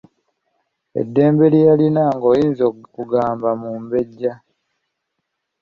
Eddembe lye yalina ng'oyinza okugamba mumbejja.